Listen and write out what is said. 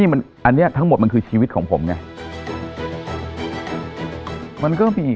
อันนี้ทั้งหมดมันคือชีวิตของผมไง